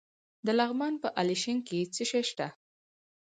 د لغمان په علیشنګ کې څه شی شته؟